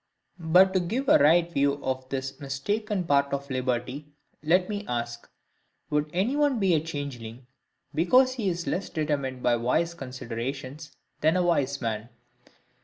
But to give a right view of this mistaken part of liberty let me ask,—Would any one be a changeling, because he is less determined by wise considerations than a wise man?